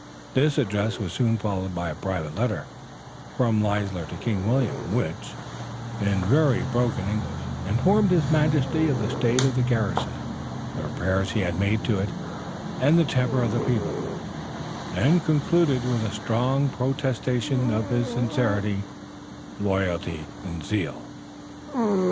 This address was soon followed by a private letter from Leisler to King William, which, in very broken English, informed his majesty of the state of the garrison, the repairs he had made to it, and the temper of the people, and concluded with a strong protestation of his sincerity, loyalty and zeal.